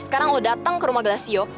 sekarang lo dateng ke rumah gelasio